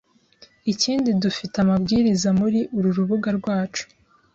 Ikindi dufite amabwiriza muri uru rubuga rwacu